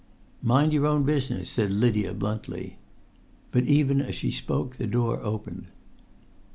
"Mind your own business," said Lydia, bluntly. But even as she spoke the door opened.